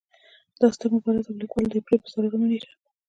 دا ستر مبارز او ليکوال د اپرېل پۀ څلورمه نېټه